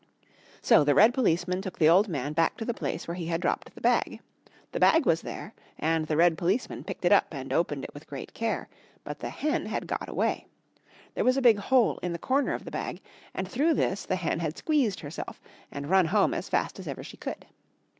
So the red policeman took the old man back to the place where he had dropped the bag. The bag was there, and the red policeman picked it up and opened it with great care. But the hen had got away. There was a big hole in the corner of the bag, and through this the hen had squeezed herself and run home as fast as ever she could.